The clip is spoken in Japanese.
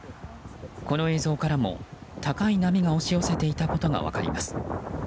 この映像からも高い波が押し寄せていたことが分かります。